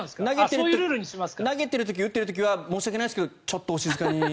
投げてる時、打ってる時は申し訳ないですけどちょっとお静かに。